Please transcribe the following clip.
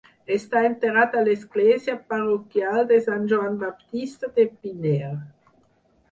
Està enterrat a l'església parroquial de Sant Joan Baptista de Pinner.